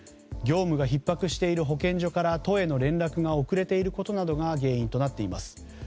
業務がひっ迫している保健所から都への連絡が遅れていることが原因となっています。